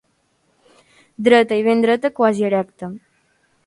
Dreta i ben dreta, quasi erecta.